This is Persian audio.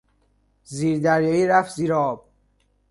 زیر دریایی رفت زیر آب.